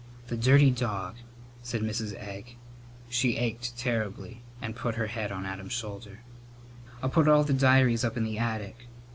"The dirty dog!" said Mrs. Egg. She ached terribly and put her head on Adam's shoulder. "I'll put all the diaries up in the attic.